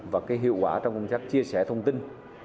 và cái hiệu quả trong công tác chia sẻ thông tin